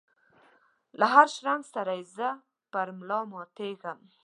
دهر شرنګ سره یې زه پر ملا ماتیږم